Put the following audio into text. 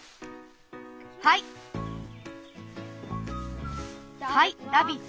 はいダヴィッド。